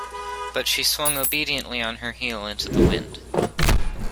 But she swung obediently on her heel into the wind.